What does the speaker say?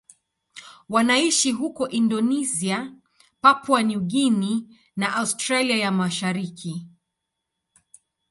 Wanaishi huko Indonesia, Papua New Guinea na Australia ya Mashariki.